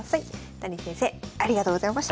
ダニー先生ありがとうございました。